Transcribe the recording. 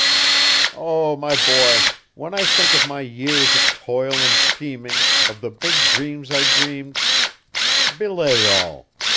"Oh, my boy, when I think of my years of toil and scheming, of the big dreams I dreamed " "Belay all!